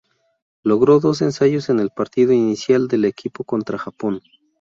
Logró dos ensayos en el partido inicial del equipo contra Japón.